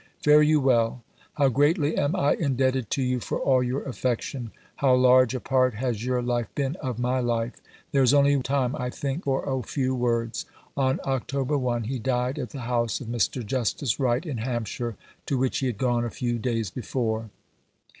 Fare you well! How greatly am I indebted to you for all your affection. How large a part has your life been of my life. There is only time I think for a few words." On October 1 he died at the house of Mr. Justice Wright in Hampshire, to which he had gone a few days before.